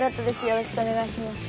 よろしくお願いします。